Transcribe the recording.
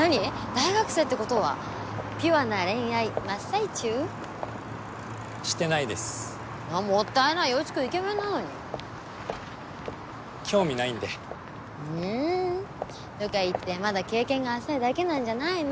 大学生ってことはピュアな恋愛真っ最中？してないですもったいない洋一くんイケメンなのに興味ないんでふんとかいってまだ経験が浅いだけなんじゃないの？